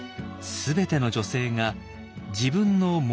全ての女性が自分の物